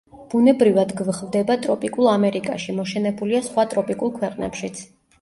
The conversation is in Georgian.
ბუნებრივად გვხვდება ტროპიკულ ამერიკაში, მოშენებულია სხვა ტროპიკულ ქვეყნებშიც.